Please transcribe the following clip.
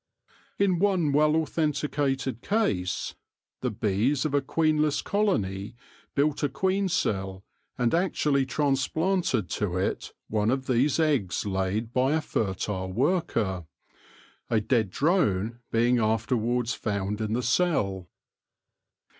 In one well authen ticated case, the bees of a queenless colony built a queen cell, and actually transplanted to it one of these eggs laid by a fertile worker, a dead drone being after wards found in the cell.